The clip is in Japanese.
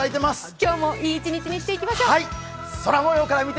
今日もいい一日にしていきましょう。